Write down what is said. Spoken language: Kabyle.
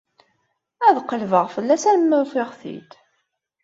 Ad qellbeɣ fell-as arma ufiɣ-t-id.